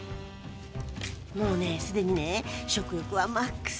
もうねすでにね食欲はマックス！